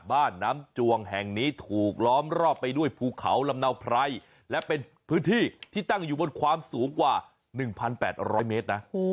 บ้านน้ำจวงแห่งนี้ถูกล้อมรอบไปด้วยภูเขาลำเนาไพรและเป็นพื้นที่ที่ตั้งอยู่บนความสูงกว่า๑๘๐๐เมตรนะ